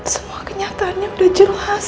semua kenyataannya udah jelas